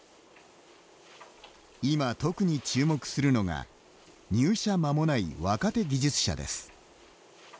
今、特に注目するのが入社まもない若手技術者です。